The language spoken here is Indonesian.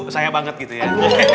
saya banget gitu ya